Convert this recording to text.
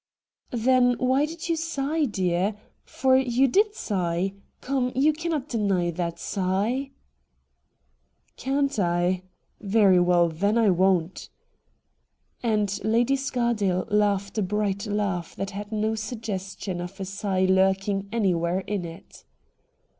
' Then why did you sigh, dear ? For you did sigh. Come, you cannot deny that sigh.' ' Can't I ? Very well, then, I won't.' And Lady Scardale laughed a bright laugh that had no suggestion of a sigh lurking anywhere in it.